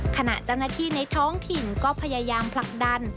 ขณะเจ้าหน้าที่ในท้องถิ่นก็พยายามผลักดัน